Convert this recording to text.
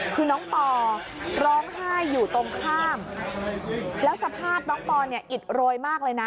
คือน้องปอร้องไห้อยู่ตรงข้ามแล้วสภาพน้องปอเนี่ยอิดโรยมากเลยนะ